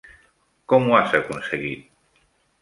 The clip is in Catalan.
Com ho has aconseguit?